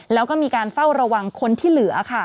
แล้วก็มีการเฝ้าระวังคนที่เหลือค่ะ